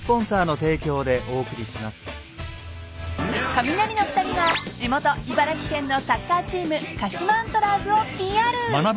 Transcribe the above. ［カミナリの２人が地元茨城県のサッカーチーム鹿島アントラーズをＰＲ］